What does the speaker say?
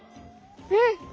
うん。